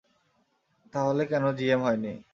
তাহলে কেন জিএম হয়নি?